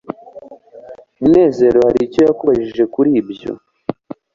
munezero hari icyo yakubajije kuri ibyo